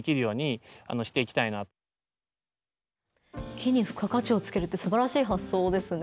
木に付加価値をつけるってすばらしい発想ですね。